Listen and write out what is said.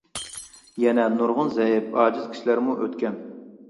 يەنە نۇرغۇن زەئىپ، ئاجىز كىشىلەرمۇ ئۆتكەن.